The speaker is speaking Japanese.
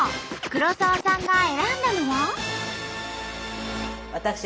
黒沢さんが選んだのは。